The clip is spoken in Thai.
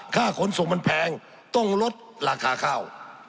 ขนส่งมันแพงต้องลดราคาข้าว